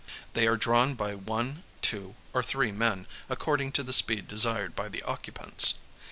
They are drawn by one, two, or three men, according to the speed desired by the occupants.